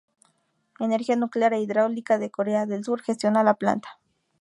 Energía Nuclear e Hidráulica de Corea del Sur gestiona la planta.